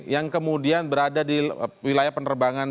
yang kemudian berada di wilayah penerbangan